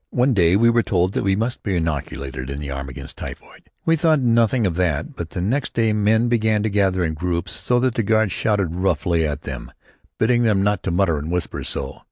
One day we were told that we must be inoculated in the arm against typhoid. We thought nothing of that. But the next day men began to gather in groups so that the guards shouted roughly at them, bidding them not to mutter and whisper so.